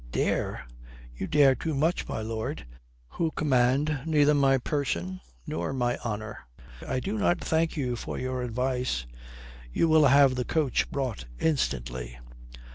"Dare? You dare too much, my lord, who command neither my person nor my honour. I do not thank you for your advice. You will have the coach brought instantly."